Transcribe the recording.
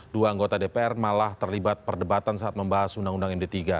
dua anggota dpr malah terlibat perdebatan saat membahas undang undang md tiga